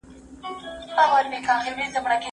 چېري د هنري بیان لپاره ځایونه شتون لري؟